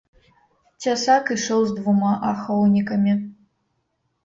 Цясак ішоў з двума ахоўнікамі.